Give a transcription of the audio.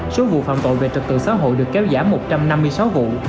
số vụ phạm tội về trực tự xã hội được kéo giả một trăm năm mươi sáu vụ